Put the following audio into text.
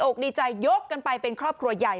ดีใจยกกันไปเป็นครอบครัวใหญ่